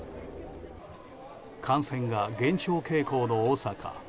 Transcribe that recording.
感染が減少傾向の大阪。